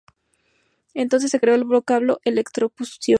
Entonces se creó el vocablo "electrocución".